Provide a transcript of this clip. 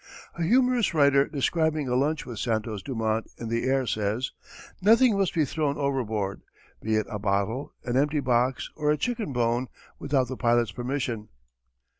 A humorous writer describing a lunch with Santos Dumont in the air says: "Nothing must be thrown overboard, be it a bottle, an empty box or a chicken bone without the pilot's permission."